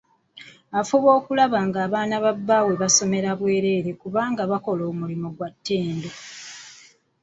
Afube okulaba ng'abaana baabwe basomera bwereere kubanga bakola omulimu gwa ttendo.